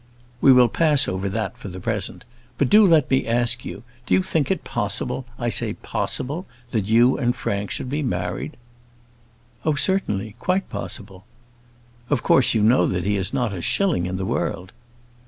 "We will pass over that for the present. But do let me ask you, do you think it possible, I say possible, that you and Frank should be married?" "Oh, certainly; quite possible." "Of course you know that he has not a shilling in the world."